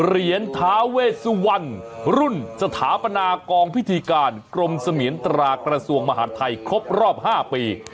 เหรียญท้าเวสวรรณรุ่นสถาปนากองพิธีการกรมเสมียนตรากระทรวงมหาดไทยครบรอบ๕ปี